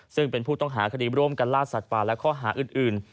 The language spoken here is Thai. ซึ่งเป็นผู้ต้องหาคดีร่วมกันล่าสัตว์ป่าและข้อหาอื่น